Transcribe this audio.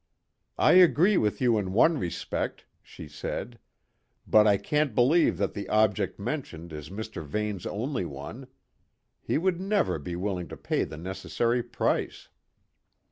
"I agree with you in one respect," she said. "But I can't believe that the object mentioned is Mr. Vane's only one. He would never be willing to pay the necessary price."